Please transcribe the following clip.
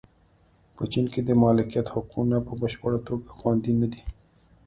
په چین کې د مالکیت حقونه په بشپړه توګه خوندي نه دي.